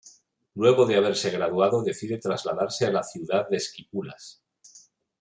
Luego de haberse graduado decide trasladarse a la Ciudad de Esquipulas.